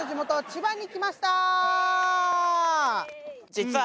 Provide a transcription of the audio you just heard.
実は。